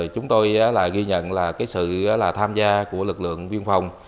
chúng tôi ghi nhận là sự tham gia của lực lượng biên phòng